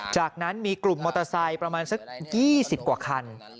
จากนั้นมีกลุ่มมอเตอร์ไซค์ประมาณสัก๒๐กว่าคัน